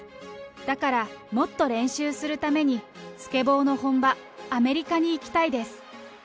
だからもっと練習するために、スケボーの本場、アメリカに行きたいです。